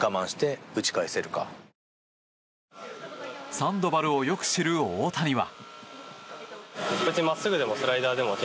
サンドバルをよく知る大谷は。